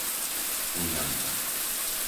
Fulianka